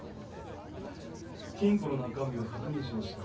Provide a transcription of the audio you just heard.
金庫の中身を確認しました。